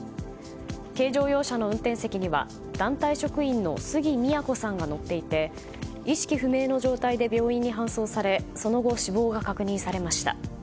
軽乗用車の運転席には団体職員の杉みや子さんが乗っていて意識不明の状態で病院に搬送されその後、死亡が確認されました。